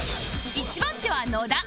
一番手は野田